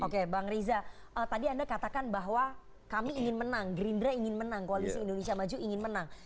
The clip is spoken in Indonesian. oke bang riza tadi anda katakan bahwa kami ingin menang gerindra ingin menang koalisi indonesia maju ingin menang